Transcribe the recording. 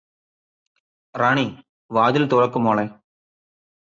റാണി വാതിൽ തുറക്ക് മോളെ